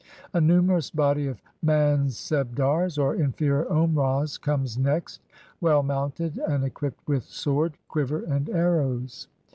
A numerous body of Mansehdars or inferior Omrahs comes next, well mounted, and equipped with sword, quiver and arrows.